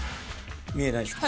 見えないですか？